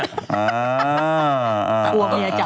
อ่านะ